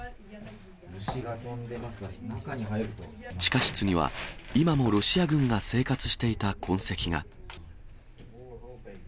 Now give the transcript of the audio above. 地下室には今もロシア軍が生活していた痕跡が。